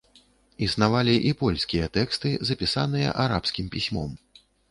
Існавалі і польскія тэксты, запісаныя арабскім пісьмом.